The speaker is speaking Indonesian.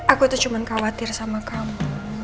aku tuh cuma khawatir sama kamu